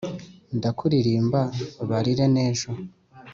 ndakuririmba barire n’ejo